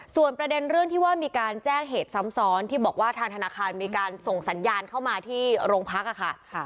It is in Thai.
ส่วนประเด็นเรื่องที่ว่ามีการแจ้งเหตุซ้ำซ้อนที่บอกว่าทางธนาคารมีการส่งสัญญาณเข้ามาที่โรงพักค่ะ